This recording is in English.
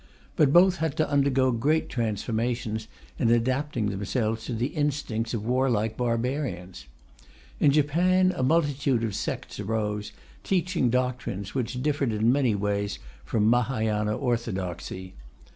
But both had to undergo great transformations in adapting themselves to the instincts of warlike barbarians. In Japan, a multitude of sects arose, teaching doctrines which differed in many ways from Mahayana orthodoxy.